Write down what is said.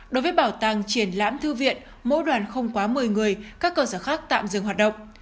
đối với bảo tàng triển lãm thư viện mỗi đoàn không quá một mươi người các cơ sở khác tạm dừng hoạt động